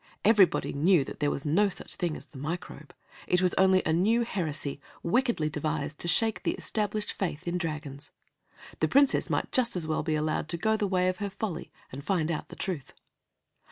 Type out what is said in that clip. Everybody knew that there was no such thing as the Microbe; it was only a new heresy, wickedly devised to shake the established faith in dragons. The Princess might just as well be allowed to go the way of her folly and find out the truth.